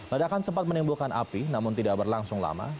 ledakan sempat menimbulkan api namun tidak berlangsung lama